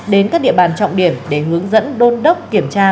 đến các địa bàn trọng điểm để hướng dẫn đôn đốc kiểm tra